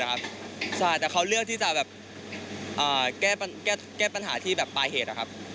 ใช่แต่เขาเลือกที่จะแบบแก้ปัญหาที่แบบปลายเหตุ